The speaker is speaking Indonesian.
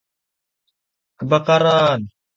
Kebakaran!